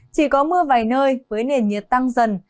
chỉ có mưa vài nơi với nền nhiệt tăng dần